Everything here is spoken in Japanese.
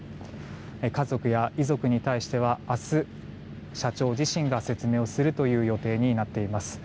家族や遺族に対しては明日、社長自身が説明をするという予定になっています。